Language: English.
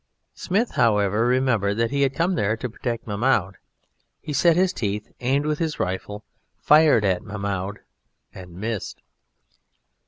Smith, however, remembered that he had come there to protect Mahmoud; he set his teeth, aimed with his rifle, fired at Mahmoud, and missed.